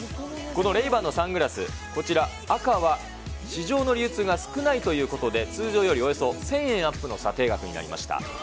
このレイバンのサングラス、こちら、赤は市場の流通が少ないということで、通常よりおよそ１０００円アップの査定額になりました。